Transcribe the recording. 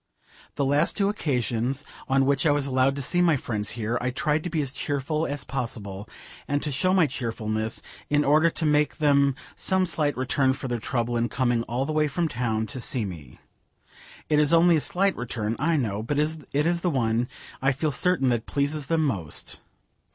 The last two occasions on which I was allowed to see my friends here, I tried to be as cheerful as possible, and to show my cheerfulness, in order to make them some slight return for their trouble in coming all the way from town to see me. It is only a slight return, I know, but it is the one, I feel certain, that pleases them most.